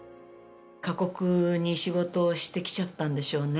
過酷に仕事をしてきちゃったんでしょうね。